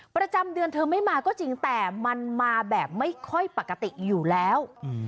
ประจำเดือนเธอไม่มาก็จริงแต่มันมาแบบไม่ค่อยปกติอยู่แล้ว